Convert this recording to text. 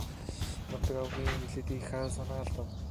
Намдаг авга ийн хэлээд их санаа алдав.